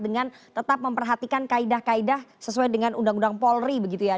dengan tetap memperhatikan kaedah kaedah sesuai dengan undang undang polri begitu ya